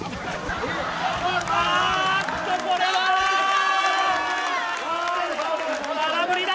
あっと、これは空振りだ。